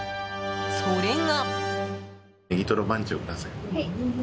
それが。